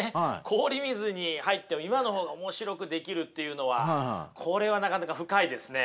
氷水に入っても今の方が面白くできるっていうのはこれはなかなか深いですね。